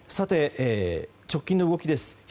直近の動きです。